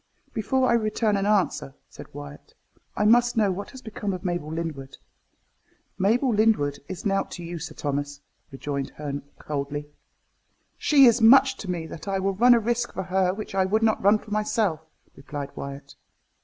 "Before I return an answer," said Wyat, "I must know what has become of Mabel Lyndwood." "Mabel Lyndwood is nought to you, Sir Thomas," rejoined Herne coldly. "She is so much to me that I will run a risk for her which I would not run for myself," replied Wyat.